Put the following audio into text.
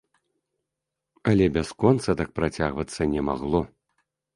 Але бясконца так працягвацца не магло.